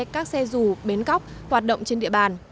các xe dù bến cóc hoạt động trên địa bàn